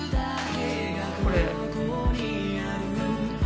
・これ。